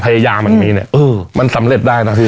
ยามันมีเนี่ยเออมันสำเร็จได้นะพี่